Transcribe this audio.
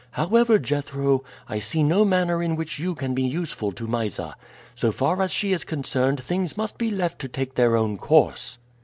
However, Jethro, I see no manner in which you can be useful to Mysa. So far as she is concerned things must be left to take their own course."